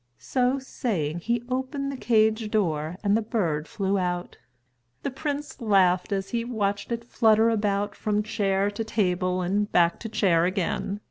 So saying, he opened the cage door and the bird flew out. The prince laughed as he watched it flutter about from chair to table and back to chair again.